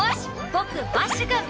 僕バッシュくん。